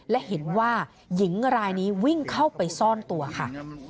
และเห็นว่าหญิงรายนี้วิ่งเข้าไปซ่อนตัวค่ะ